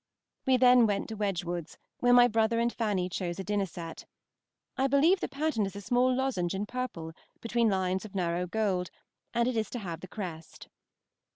We then went to Wedgwood's, where my brother and Fanny chose a dinner set. I believe the pattern is a small lozenge in purple, between lines of narrow gold, and it is to have the crest.